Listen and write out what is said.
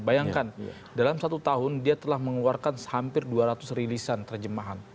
bayangkan dalam satu tahun dia telah mengeluarkan hampir dua ratus rilisan terjemahan